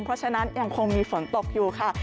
เพราะฉะนั้นยังคงมีฝนตกอยู่ค่ะ